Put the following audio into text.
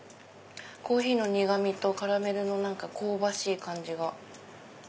コーヒーの苦みとカラメルの香ばしい感じが。